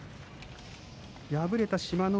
敗れた志摩ノ